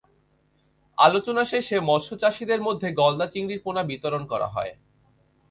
আলোচনা সভা শেষে মাৎস্যচাষিদের মধ্যে গলদা চিংড়ির পোনা বিতরণ করা হয়।